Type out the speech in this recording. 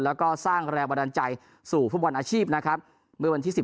แล้วก็สร้างแรงบันดาลใจสู่ฟุตบอลอาชีพนะครับเมื่อวันที่๑๘